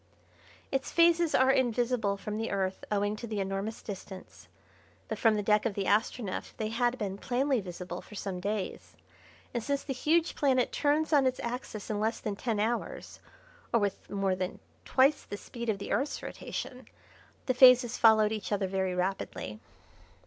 Its phases are invisible from the Earth owing to the enormous distance; but from the deck of the Astronef they had been plainly visible for some days, and, since the huge planet turns on its axis in less than ten hours, or with more than twice the speed of the Earth's rotation, the phases followed each other very rapidly.